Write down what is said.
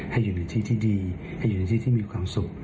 ให้อยู่ในที่ที่ดีให้อยู่ในที่ที่มีความสุข